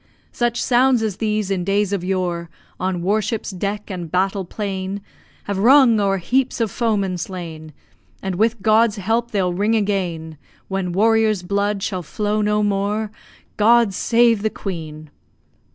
Such sounds as these in days of yore, On war ship's deck and battle plain, Have rung o'er heaps of foemen slain And with God's help they'll ring again, When warriors' blood shall flow no more, God save the Queen!